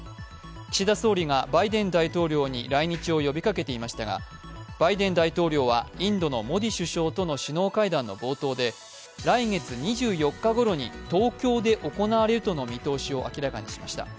岸田総理がバイデン大統領に来日を呼びかけていましたがバイデン大統領はインドのモディ首相との首脳会談の冒頭で来月２４日ごろに東京で行われるとの見通しを明らかにしました。